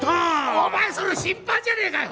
お前それ審判じゃねえかよ！